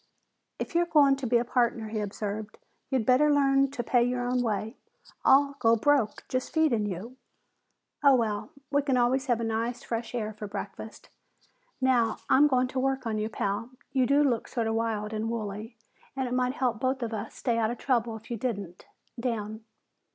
"If you're going to be a partner," he observed, "you'd better learn to pay your own way. I'll go broke just feeding you. Oh, well, we can always have nice fresh air for breakfast. Now I'm going to work on you, Pal. You do look sort of wild and woolly and it might help both of us stay out of trouble if you didn't. Down!"